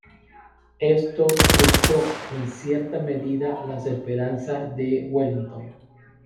Esto frustró en cierta medida las esperanzas de Wellington.